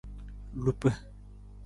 Lupa.